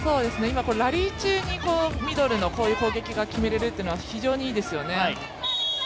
ラリー中にミドルのこういう攻撃が決められるのは非常にいいですよね。